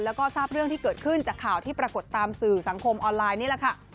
แล้วก็ทราบเรื่องที่เกิดขึ้นจากข่าวที่ปรากฏตามสื่อสังคมออนไลน์นี่แหละค่ะ